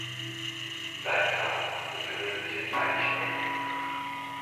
Sein Grab befindet sich in Neinstedt.